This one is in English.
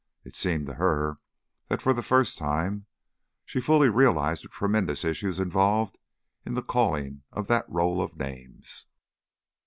It seemed to her that for the first time she fully realized the tremendous issues involved in the calling of that roll of names.